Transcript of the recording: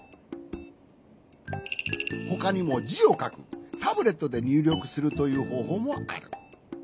ほかにもじをかくタブレットでにゅうりょくするというほうほうもある。